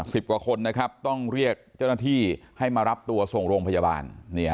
สิบกว่าคนนะครับต้องเรียกเจ้าหน้าที่ให้มารับตัวส่งโรงพยาบาล